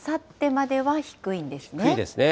低いですね。